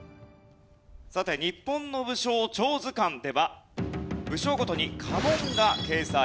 さて『日本の武将超図鑑』では武将ごとに家紋が掲載。